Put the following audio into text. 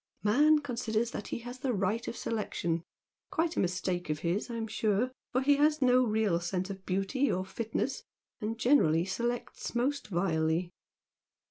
Man considers that he has the right of selection quite a mistake of his I'm sure, for he has no real sense of beauty or fitness, and generally selects most vilely.